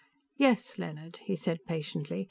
"Yes, Leonard," he said patiently.